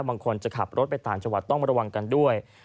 บางคนจะขับรถไปต่างจังหวัดต้องระวังกันด้วย